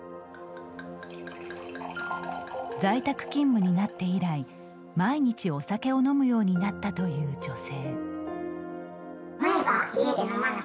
在宅勤務になって以来毎日お酒を飲むようになったという女性。